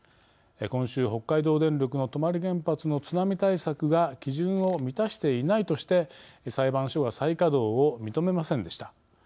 今週北海道電力の泊原発の津波対策が基準を満たしていないとして裁判所が再稼働を認めませんでした。